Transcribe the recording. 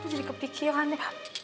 jadi kepikiran ya